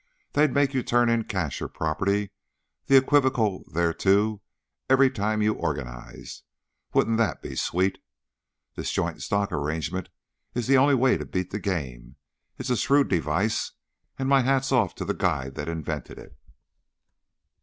They'd make you turn in cash or property the equivocal thereto every time you organized. Wouldn't that be sweet? This joint stock arrangement is the only way to beat the game. It's a shrewd device, and my hat's off to the guy that invented it."